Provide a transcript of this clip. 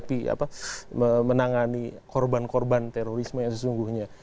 kita semakin serius menghadapi apa menangani korban korban terorisme yang sesungguhnya